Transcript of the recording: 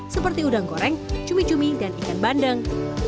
seperti udang goreng cumi cumi dan ikan bandeng